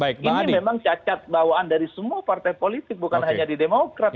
ini memang cacat bawaan dari semua partai politik bukan hanya di demokrat